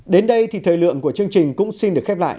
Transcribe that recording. đến đây thì thời lượng của chương trình cũng xin được khép lại